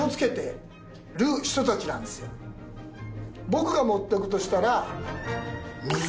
僕が持っていくとしたら。